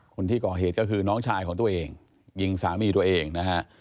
คนที่ก่อเหตุก็คือน้องชายของตัวเองยิงสามีตัวเองนะฮะ